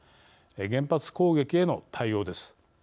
原発攻撃への対応です。